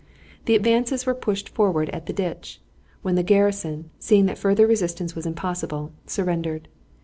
The advances were pushed forward at the ditch, when the garrison, seeing that further resistance was impossible, surrendered.